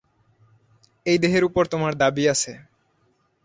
এই দেহের উপর তোমার দাবী আছে।